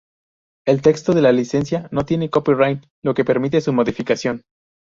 El texto de la licencia no tiene copyright, lo que permite su modificación.